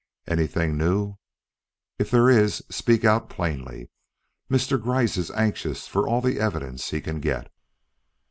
"Anything new? If there is, speak out plainly. Mr. Gryce is anxious for all the evidence he can get."